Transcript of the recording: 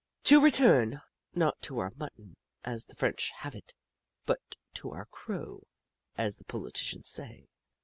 To return, not to our mutton, as the French have it, but to our Crow, as the politicians say.